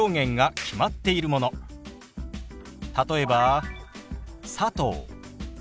例えば「佐藤」。